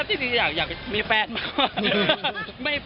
เพิ่งจะไดเร็กมา